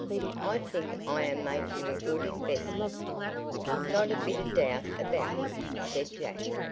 I think I am making a good investment." "Not a bit of doubt about it," said Jack.